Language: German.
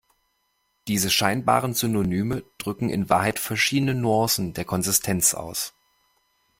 Diese scheinbaren Synonyme drücken in Wahrheit verschiedene Nuancen der Konsistenz aus.